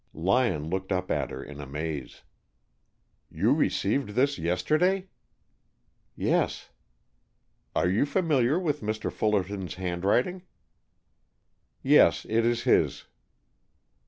Lyon looked up at her in amaze. "You received this yesterday?" "Yes." "Are you familiar with Mr. Fullerton's handwriting?" "Yes. It is his."